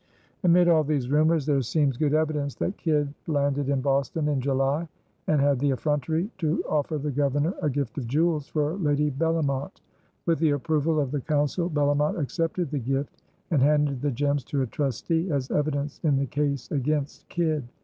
Amid all these rumors there seems good evidence that Kidd landed in Boston in July and had the effrontery to offer the Governor a gift of jewels for Lady Bellomont. With the approval of the Council Bellomont accepted the gift and handed the gems to a trustee as evidence in the case against Kidd.